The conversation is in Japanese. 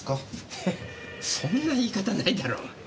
ヘッそんな言い方ないだろう。